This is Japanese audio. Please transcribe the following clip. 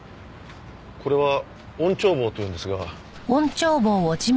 これは音聴棒というんですが。